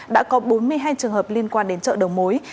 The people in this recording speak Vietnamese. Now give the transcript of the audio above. đã có bốn mươi hai trường hợp liên quan đến chợ đầu mối